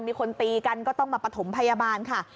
มีคนตีกันก็ต้องมาประถมพยาบาลค่ะ